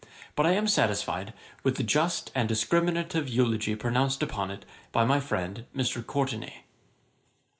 But I am satisfied with the just and discriminative eulogy pronounced upon it by my friend Mr, Courtenay.